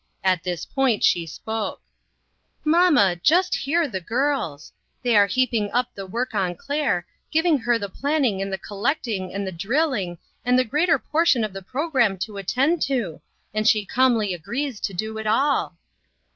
At this point she spoke :" Mamma, just hear the girls ! They are heaping up the work on Claire, giving her the planning and the collecting and the drill ing, and the greater portion of the programme to attend to, and she calmly agrees to do it all."